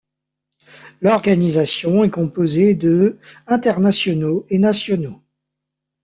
L'organisation est composée de internationaux et nationaux.